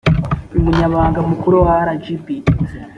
umunyamabanga mukuru wa rgb